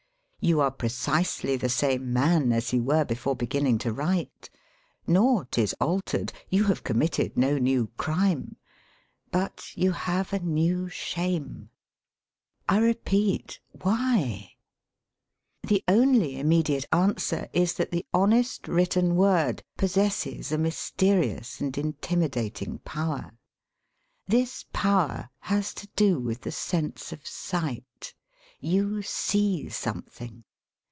You are pre cisely the same man as you were before begin ning to write; naught is altered; you have com with THE DIARY HABIT 48 mitted no new crime. But you have a new shame. I repeat, why? The only immediate answer is that the honest written word possesses a mysteri ous and intimidating power. This power has to do with the sense of sight. You see something.